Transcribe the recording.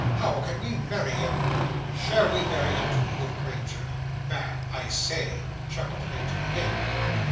"How can we marry him?" "Shall we marry him to Edith Granger, Ma'am, I say?" chuckled the Major again.